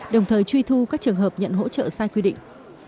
đồng thời truy thu các trường hợp nhận hỗ trợ sai quy định